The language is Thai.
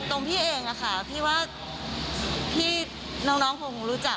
พี่เองอะค่ะพี่ว่าพี่น้องคงรู้จัก